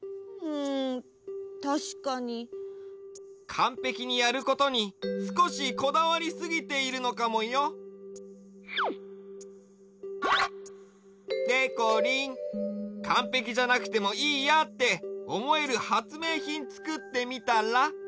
かんぺきにやることにすこしこだわりすぎているのかもよ。でこりんかんぺきじゃなくてもいいやっておもえるはつめいひんつくってみたら？